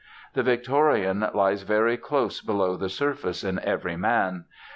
The Victorian lies very close below the surface in every man.